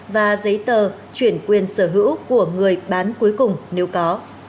và giấy tờ chuyển quyền sở hữu của người bán cuối cùng nếu có